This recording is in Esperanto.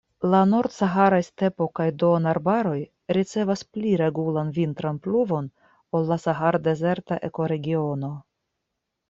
La nord-saharaj stepo kaj duonarbaroj ricevas pli regulan vintran pluvon ol la sahar-dezerta ekoregiono.